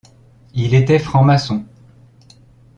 Il était franc-maçon.